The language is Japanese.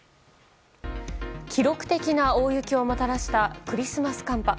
記録的な大雪をもたらしたクリスマス寒波。